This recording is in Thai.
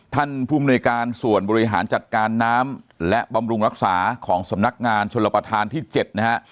ภูมิหน่วยการส่วนบริหารจัดการน้ำและบำรุงรักษาของสำนักงานชนรับประทานที่๗นะฮะ